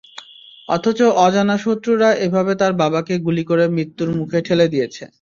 অথচ অজানা শত্রুরা এভাবে তাঁর বাবাকে গুলি করে মৃত্যুর মুখে ঠেলে দিয়েছে।